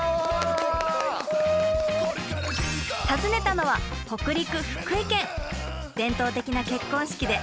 訪ねたのは北陸・福井県！